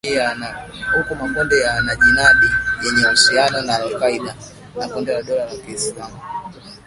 huku makundi ya wanajihadi yenye uhusiano na al kaeda na kundi la dola ya kiislamu